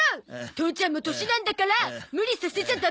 父ちゃんも年なんだから無理させちゃダメだろ！